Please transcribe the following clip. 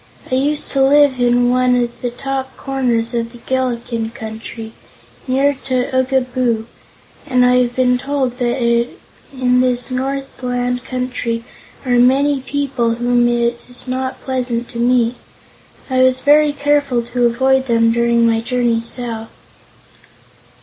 "I used to live in one of the top corners of the Gillikin Country, near to Oogaboo, and I have been told that in this northland country are many people whom it is not pleasant to meet. I was very careful to avoid them during my journey south."